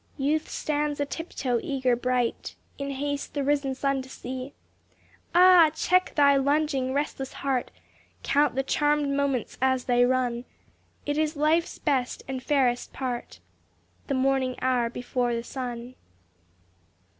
Youth stands a tiptoe, eager, bright, In haste the risen sun to see; Ah! check thy lunging, restless heart, Count the charmed moments as they run, It is life's best and fairest part, This morning hour before the sun.